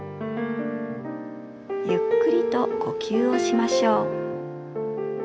ゆっくりと呼吸をしましょう。